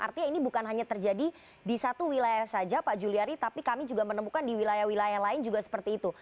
artinya ini bukan hanya terjadi di satu wilayah saja pak juliari tapi kami juga menemukan di wilayah wilayah lain juga seperti itu